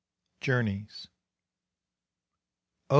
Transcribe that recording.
Journeys. Oh!